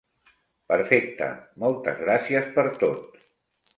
Perfecte, moltes gràcies per tot.